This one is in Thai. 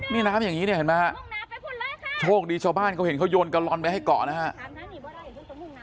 นี่น้ำอย่างนี้เนี่ยเห็นไหมฮะโชคดีชาวบ้านเขาเห็นเขาโยนกะลอนไปให้เกาะนะครับ